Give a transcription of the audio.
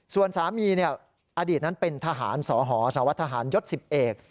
ส่วนสามีอดีตนั้นเป็นทหารสหสวทหารยศ๑๐เอก